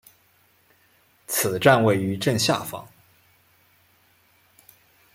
此站位于正下方。